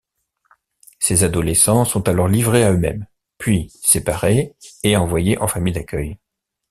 Ces adolescents sont alors livrés à eux-mêmes, puis séparés et envoyés en familles d'accueil.